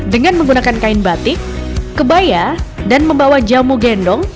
dengan menggunakan kain batik kebaya dan membawa jamu gendong